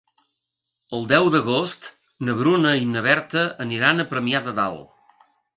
El deu d'agost na Bruna i na Berta aniran a Premià de Dalt.